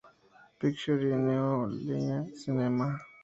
Pictures y New Line Cinema.